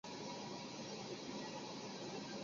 鸡仔木为茜草科鸡仔木属下的一个种。